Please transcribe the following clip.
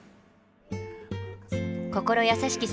心優しき